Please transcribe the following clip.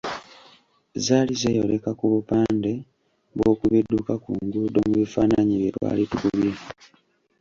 Zaali zeeyoleka ku bupande bw’oku bidduka ku nguudo mu bifaananyi bye twali tukubye.